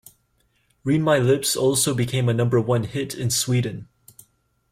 "Read My Lips" also became a Number One hit in Sweden.